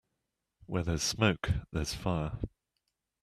Where there's smoke there's fire.